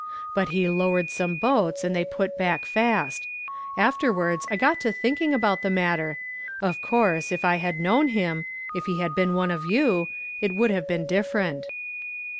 But he lowered some boats and they put back fast. Afterwards I got to thinking about the matter. Of course if I had known him if he had been one of you it would have been different."